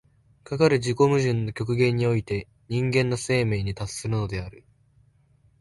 かかる自己矛盾の極限において人間の生命に達するのである。